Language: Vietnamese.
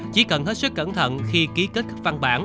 chỉ cần hết sức cẩn thận khi ký kết các văn bản